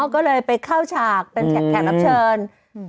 ก็เลยไปเข้าฉากเป็นแขกรับเชิญ